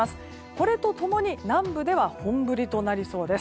これと共に南部では本降りとなりそうです。